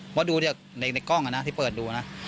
เพราะดูเนี่ยในกล้องกันนะที่เปิดดูนะ